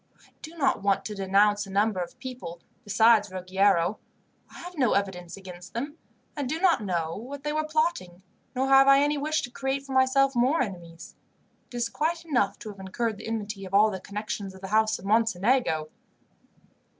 I do not want to denounce a number of people, besides Ruggiero. I have no evidence against them, and do not know what they were plotting, nor have I any wish to create for myself more enemies. It is quite enough to have incurred the enmity of all the connections of the house of Mocenigo."